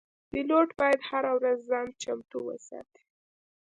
پیلوټ باید هره ورځ ځان چمتو وساتي.